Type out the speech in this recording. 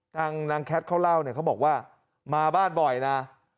นางแคทเขาเล่าเนี่ยเขาบอกว่ามาบ้านบ่อยนะ